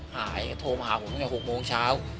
หายโทรมาหาผมตั้งแต่๖โมงเช้า